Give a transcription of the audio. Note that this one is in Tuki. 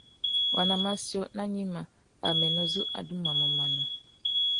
Waná matiō nà gnïmá, anêmê zu adumamú manô.